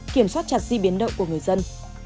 kiểm soát chặt di biến đậu của người dân